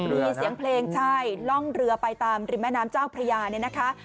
มีเสียงเพลงใช่ล่องเรือไปตามริมแม่น้ำเจ้าพระยาเนี่ยนะคะ